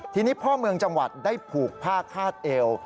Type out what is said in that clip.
ทีนี้พ่อเมืองจังหวัดได้ผูกผ้าคาดเอว